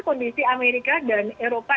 kondisi amerika dan eropa